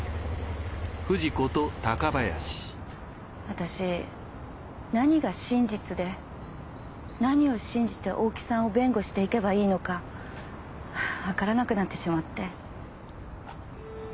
私何が真実で何を信じて大木さんを弁護していけばいいのかわからなくなってしまって。